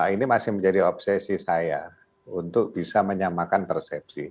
ini masih menjadi obsesi saya untuk bisa menyamakan persepsi